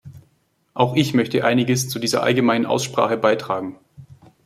Auch ich möchte einiges zu dieser allgemeinen Aussprache beitragen.